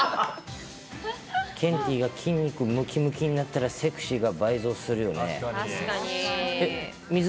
ケンティーが筋肉むきむきになったらセクシーが倍増するよね。